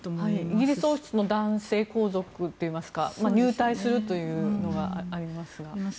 イギリス王室の男性皇族は入隊するというのがありますが。